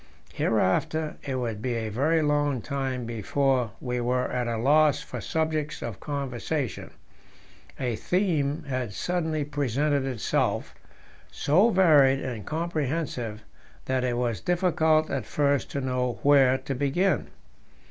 Hereafter it would be a very long time before we were at a loss for subjects of conversation; a theme had suddenly presented itself, so varied and comprehensive that it was difficult at first to know where to begin.